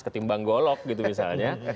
ketimbang golok gitu misalnya